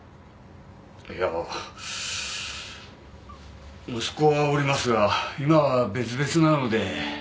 いや息子がおりますが今は別々なので。